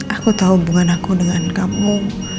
aku tahu hubungan aku dengan kamu